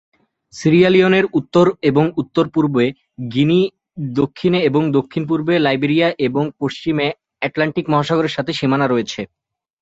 Sierra লিওনের উত্তর এবং উত্তর-পূর্বে গিনি, দক্ষিণে এবং দক্ষিণ-পূর্বে লাইবেরিয়া এবং পশ্চিমে আটলান্টিক মহাসাগরের সাথে সীমানা রয়েছে।